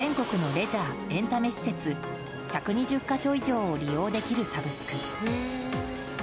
全国のレジャー・エンタメ施設１２０か所以上を利用できるサブスク。